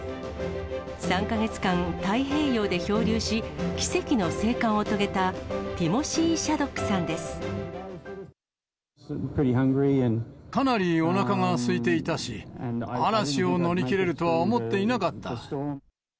３か月間、太平洋で漂流し、奇跡の生還を遂げたティモシー・かなりおなかがすいていたし、嵐を乗り切れるとは思っていなかった。